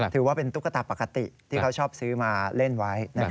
ถือว่าเป็นตุ๊กตาปกติที่เขาชอบซื้อมาเล่นไว้